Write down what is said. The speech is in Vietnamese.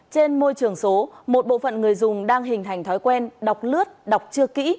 trên môi trường số một bộ phận người dùng đang hình thành thói quen đọc lướt đọc chưa kỹ